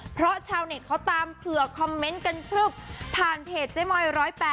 เพราะชาวเน็ตเขาตามเผื่อคอมเมนต์กันพลึบผ่านเพจเจ๊มอย๑๐๘